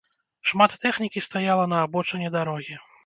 Шмат тэхнікі стаяла на абочыне дарогі.